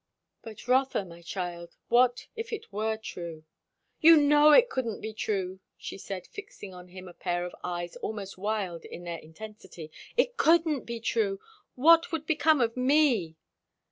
"But Rotha, my child, what if it were true?" "You know it couldn't be true," she said, fixing on him a pair of eyes almost wild in their intensity. "It couldn't be true. What would become of me?"